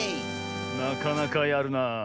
なかなかやるなあ。